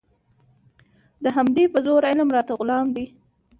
د همدې په زور عالم راته غلام دی